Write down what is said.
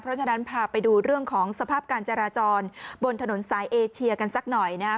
เพราะฉะนั้นพาไปดูเรื่องของสภาพการจราจรบนถนนสายเอเชียกันสักหน่อยนะครับ